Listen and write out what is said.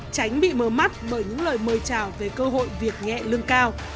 tránh bị mờ mắt bởi những lời mời chào về cơ hội việc nhẹ lương cao